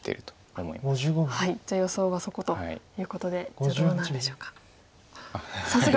じゃあ予想はそこということでじゃあどうなんでしょうか。